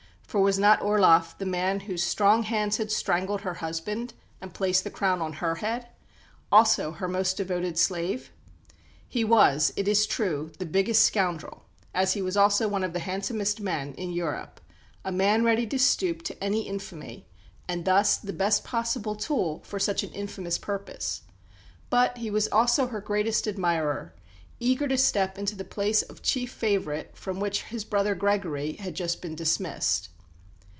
For was not Orloff the man whose strong hands had strangled her husband and placed the crown on her head; also her most devoted slave? He was, it is true, the biggest scoundrel (as he was also one of the handsomest men) in Europe, a man ready to stoop to any infamy, and thus the best possible tool for such an infamous purpose; but he was also her greatest admirer, eager to step into the place of "chief favourite" from which his brother Gregory had just been dismissed.